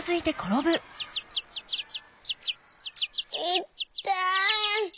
いったい。